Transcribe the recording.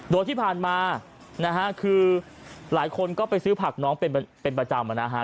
โดยที่ผ่านมานะฮะคือหลายคนก็ไปซื้อผักน้องเป็นประจำนะฮะ